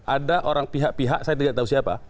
ada orang pihak pihak saya tidak tahu siapa